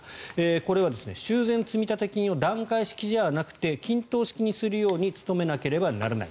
これは修繕積立金を段階式じゃなくて均等式にするように努めなければならない。